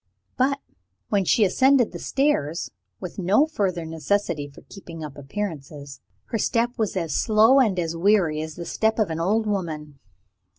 But, when she ascended the stairs, with no further necessity for keeping up appearances, her step was as slow and as weary as the step of an old woman.